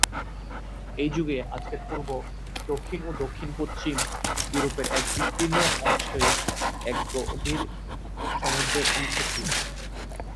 এই যুগে আজকের পূর্ব, দক্ষিণ ও দক্ষিণ-পশ্চিম ইউরোপের এক বিস্তীর্ণ অংশই এক অগভীর সমুদ্রের অংশ ছিল।